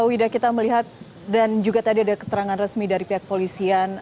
wida kita melihat dan juga tadi ada keterangan resmi dari pihak polisian